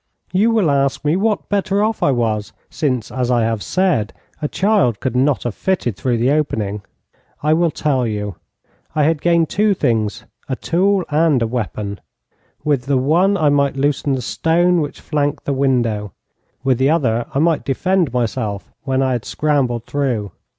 You will ask me what better off I was, since, as I have said, a child could not have fitted through the opening. I will tell you. I had gained two things a tool and a weapon. With the one I might loosen the stone which flanked the window. With the other I might defend myself when I had scrambled through.